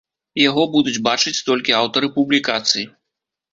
Яго будуць бачыць толькі аўтары публікацый.